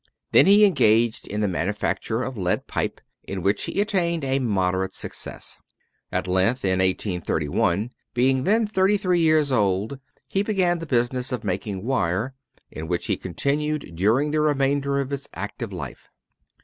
Then he engaged in the manufacture of lead pipe, in which he attained a moderate success. At length, in 1831, being then thirty three years old, he began the business of making wire, in which he continued during the remainder of his active life.